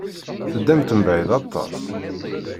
Teddamt mebɛid aṭas.